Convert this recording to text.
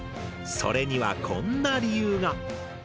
それにはこんな理由が。